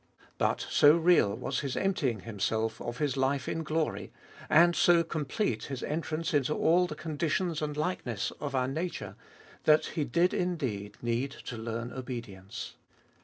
But so real was His emptying Himself of His life in glory, and so complete His entrance into all the con ditions and likeness of our nature, that He did indeed need to learn obedience.